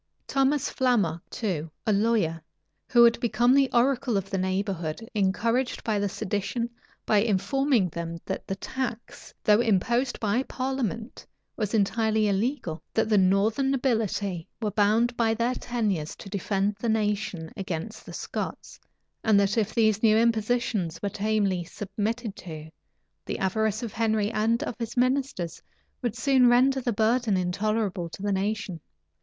Thomas Flammoc, too, a lawyer, who had become the oracle of the neighborhood, encouraged the sedition, by informing them that the tax, though imposed by parliament, was entirely illegal; that the northern nobility were bound by their tenures to defend the nation against the Scots; and that if these new impositions were tamely submitted to, the avarice of Henry and of his ministers would soon render the burden intolerable to the nation.